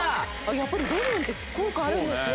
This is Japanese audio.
やっぱりレモンって効果あるんですね。